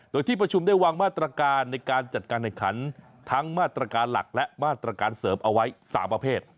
โดยที่ประชุมได้วางมาตรการในการจัดการแข่งขันทั้งมาตรการหลักและมาตรการเสริมเอาไว้๓ประเภท